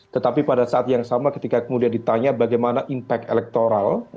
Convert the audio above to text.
tetapi pada saat yang sama ketika kemudian ditanya bagaimana impact elektoral